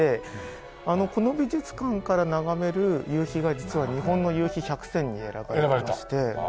この美術館から眺める夕日が実は「日本の夕陽百選」に選ばれまして。